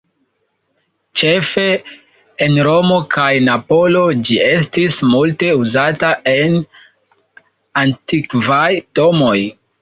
Ĉefe en Romo kaj Napolo ĝi estis multe uzata en antikvaj domoj.